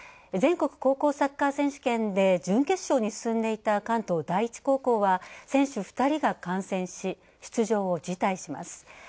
全国高校サッカー選手権で準決勝に進んでいた関東第一高校は選手２人が感染し、出場を辞退します。